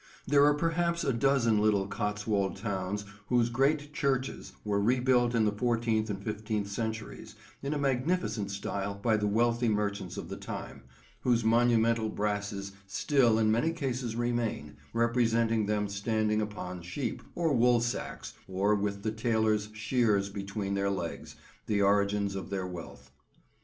There are perhaps a dozen little Cotswold towns whose great churches were rebuilt in the fourteenth and fifteenth centuries, in a magnificent style by the wealthy merchants of the time, whose monumental brasses still in many cases remain, representing them standing upon sheep, or woolsacks, or with the tailor's shears between their legs; the origins of their wealth.